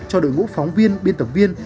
cho đội ngũ phóng viên biên tập viên